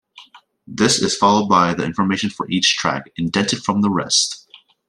This is followed by the information for each track, indented from the rest.